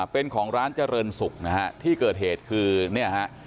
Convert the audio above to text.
เป็นของร้านเจริญศุกร์นะฮะที่เกิดเหตุคือเนี่ยฮะ